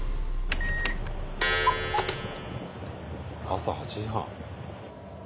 朝８時半。